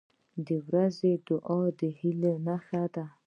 • د ورځې دعا د هیلې نښه ده.